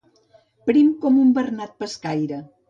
Prim com un bernat pescaire.